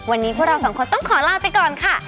วันนี้พวกเราสองคนต้องขอลาไปก่อนค่ะ